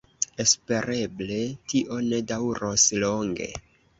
Espereble tio ne daŭros longe.